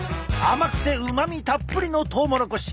甘くてうまみたっぷりのトウモロコシ。